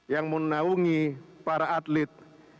yang menaungi para atlet